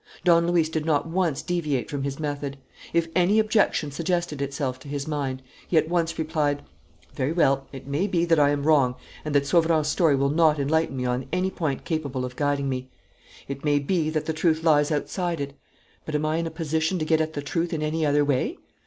Don Luis did not once deviate from his method. If any objection suggested itself to his mind, he at once replied: "Very well. It may be that I am wrong and that Sauverand's story will not enlighten me on any point capable of guiding me. It may be that the truth lies outside it. But am I in a position to get at the truth in any other way?